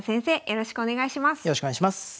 よろしくお願いします。